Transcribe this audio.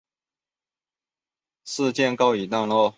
事件告一段落。